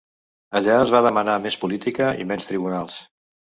Allà es va demanar més política i menys tribunals.